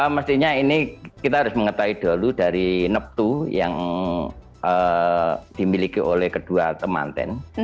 mestinya ini kita harus mengetahui dulu dari neptu yang dimiliki oleh kedua temanten